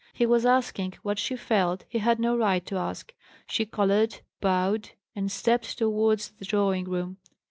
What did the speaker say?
He was asking what she felt he had no right to ask. She coloured, bowed, and stepped towards the drawing room.